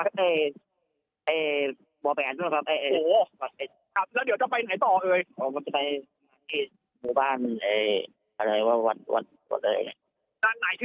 ตอนนี้มีเสียงมีเสียงคือบึนบึนอยู่อย่างนี้